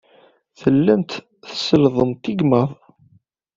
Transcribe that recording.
Tellamt tsellḍemt igmaḍ.